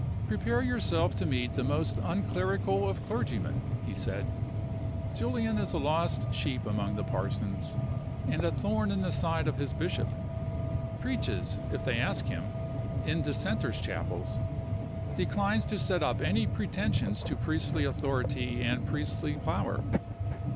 "Prepare yourself to meet the most unclerical of clergymen," he said. "Julian is a lost sheep among the parsons, and a thorn in the side of his bishop. Preaches, if they ask him, in Dissenters' chapels. Declines to set up any pretensions to priestly authority and priestly power.